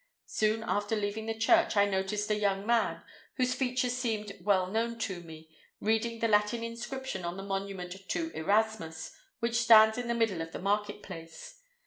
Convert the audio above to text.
Soon after leaving the church, I noticed a young man, whose features seemed well known to me, reading the Latin inscription on the monument to Erasmus, which stands in the middle of the market place.